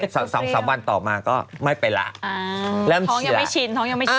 สองสองสามวันต่อมาก็ไม่ไปละอ่าแล้วท้องยังไม่ชินท้องยังไม่ชิน